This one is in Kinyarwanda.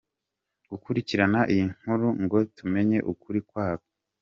gukurikirana iyi nkuru ngo tumenye ukuri kwayo.